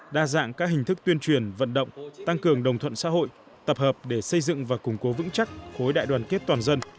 đa dạng các hình thức tuyên truyền vận động tăng cường đồng thuận xã hội tập hợp để xây dựng và củng cố vững chắc khối đại đoàn kết toàn dân